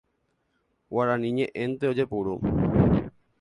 Guarani ñe'ẽténte ojepuru.